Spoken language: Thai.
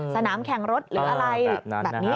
สนามแข่งรถหรืออะไรแบบนี้